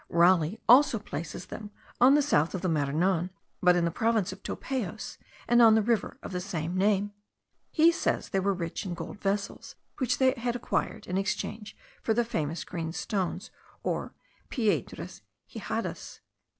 Raleigh also places them on the south of the Maranon, but in the province of Topayos, and on the river of the same name. He says they were rich in golden vessels, which they had acquired in exchange for the famous green stones, or piedras hijadas.